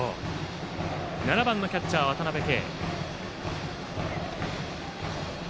そして７番のキャッチャー、渡辺憩。